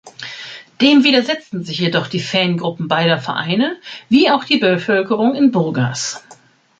Dem widersetzen sich jedoch die Fangruppen beider Vereine, wie auch die Bevölkerung in Burgas.